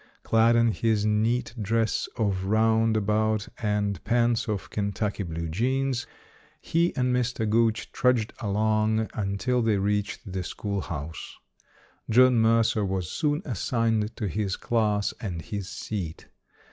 Clad in his neat dress of round about and pants of Kentucky blue jeans, he and 272 ] UNSUNG HEROES Mr. Gooch trudged along until they reached the schoolhouse. John Mercer was soon assigned to his class and his seat.